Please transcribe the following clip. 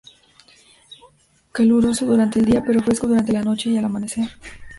Caluroso durante el día pero fresco durante la noche y al amanecer.